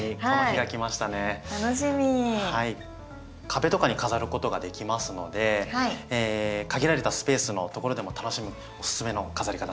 壁とかに飾ることができますので限られたスペースのところでも楽しむおすすめの飾り方になります。